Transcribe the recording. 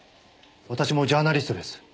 私もジャーナリストです。